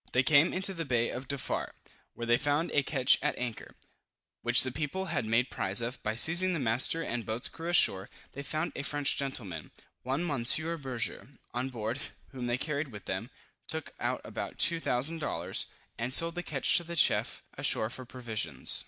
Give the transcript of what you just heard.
They came into the bay of Defarr, where they found a ketch at anchor, which the people had made prize of, by seizing the master and boat's crew ashore. They found a French gentleman, one Monsieur Berger, on board, whom they carried with them, took out about 2000 dollars, and sold the ketch to the chief ashore for provisions.